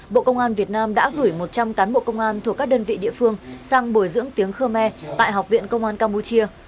bộ công an việt nam đã gửi một trăm linh cán bộ công an thuộc các đơn vị địa phương sang bồi dưỡng tiếng khmer tại học viện công an campuchia